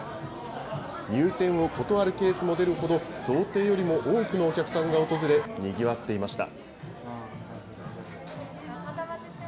入店を断るケースも出るほど、想定よりも多くのお客さんが訪れ、にぎわっていました。